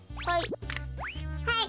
はい。